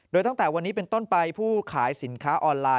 โดยตั้งแต่วันนี้เป็นต้นไปผู้ขายสินค้าออนไลน